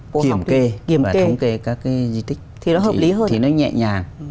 kiểm kê và thống kê các cái di tích thì nó nhẹ nhàng